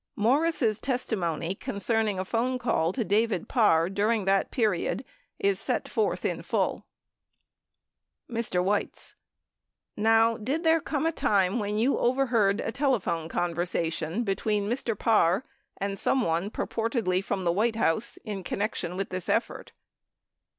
Morris' testimony concerning a phone call to David Parr during that period is set forth in full : Mr. Weitz. Now did there come a time when you overheard a telephone conversation between Mr. Parr and someone purportedly from the White House in connection with this effort